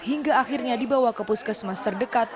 hingga akhirnya dibawa ke puskesmas terdekat